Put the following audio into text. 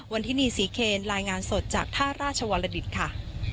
วันนี้นี่สีเคนรายงานสดจากท่าราชวรดิตค่ะ